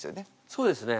そうですね。